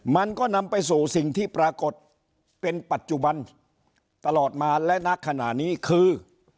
มันก็นำไปสู่สิ่งที่ปรากฏเป็นปัจจุบันตลอดมาและณขณะนี้คือ